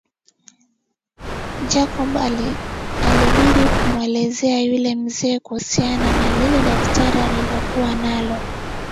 Jacob ilibidi amuelezee yule mzee kuhusiana na lile daftari alokua nalo